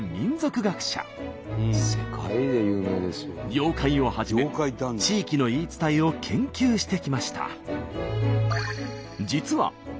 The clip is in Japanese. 妖怪をはじめ地域の言い伝えを研究してきました。